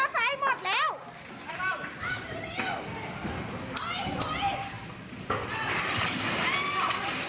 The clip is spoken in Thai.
มันให้ไปต้นเจ้า